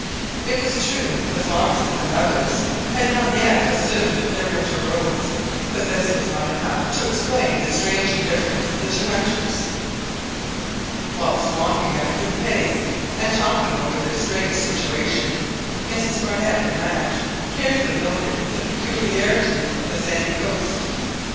It was true the foxes and others had not yet assumed their winter robes, but this was not enough to explain the strange indifference of the two hunters. Whilst walking at a good pace and talking over their strange situation, Mrs Barnett and Madge carefully noted the peculiarities of the sandy coast.